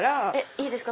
いいですか？